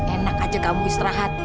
enak aja kamu istirahat